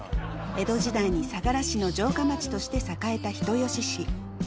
江戸時代に相良氏の城下町として栄えた人吉市。